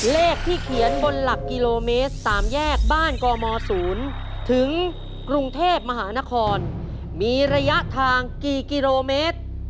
เลขที่เขียนบนหลักกิโลเมตร๓แยกบ้านกม๐ถึงกรุงเทพมหานครมีระยะทางกี่กิโลเมตร